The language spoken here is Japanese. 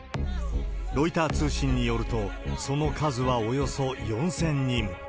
ロイター通信によると、その数はおよそ４０００人。